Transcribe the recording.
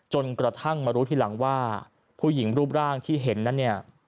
จนกระทั่งมารู้ทีหลังว่าผู้หญิงรูปร่างที่เห็นนั้นเนี่ย